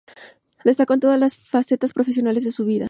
Destacó en todas las facetas profesionales de su vida.